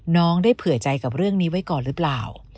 ได้เผื่อใจกับเรื่องนี้ไว้ก่อนหรือเปล่า